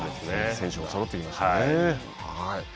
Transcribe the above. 選手もそろってきましたね。